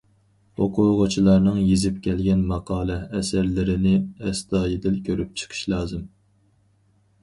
ئوقۇغۇچىلارنىڭ يېزىپ كەلگەن ماقالە، ئەسەرلىرىنى ئەستايىدىل كۆرۈپ چىقىش لازىم.